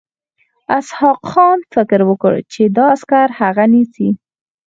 اسحق خان فکر وکړ چې دا عسکر هغه نیسي.